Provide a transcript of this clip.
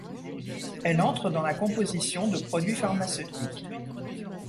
Elle entre dans la composition de produits pharmaceutiques.